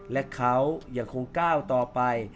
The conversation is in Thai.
และเขายังคงก้าวต่อไป